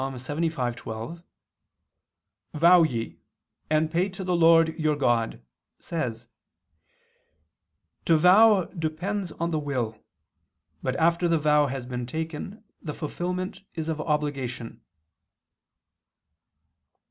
75:12, "Vow ye, and pay to the Lord your God," says: "To vow depends on the will: but after the vow has been taken the fulfilment is of obligation."